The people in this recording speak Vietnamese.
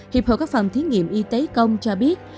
hiệp hội các phòng thí nghiệm y tế công cho biết